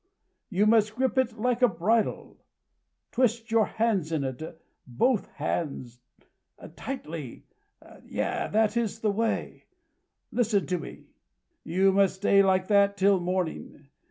You must grip it like a bridle. Twist your hands in it both hands tightly. That is the way!... Listen to me! You must stay like that till morning.